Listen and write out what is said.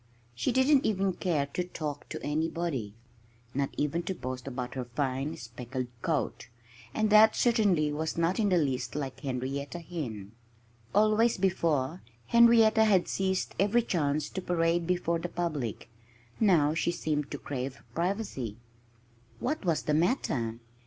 She didn't even care to talk to anybody not even to boast about her fine, speckled coat. And that certainly was not in the least like Henrietta Hen. Always, before, Henrietta had seized every chance to parade before the public. Now she seemed to crave privacy. What was the matter?